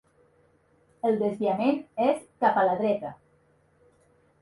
El desviament és cap a la dreta.